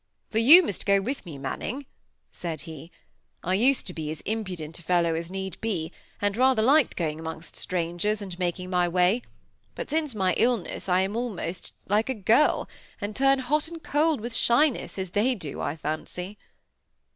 "For you must go with me, Manning," said he; "I used to be as impudent a fellow as need be, and rather liked going amongst strangers, and making my way; but since my illness I am almost like a girl, and turn hot and cold with shyness, as they do, I fancy."